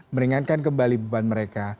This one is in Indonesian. meringankan kembali beban mereka